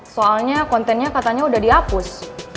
soalnya kontennya katanya udah dihapus